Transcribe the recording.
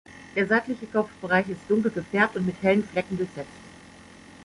Der seitliche Kopfbereich ist dunkel gefärbt und mit hellen Flecken durchsetzt.